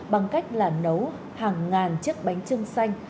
bằng cách là nấu hàng ngàn chiếc bánh trưng xanh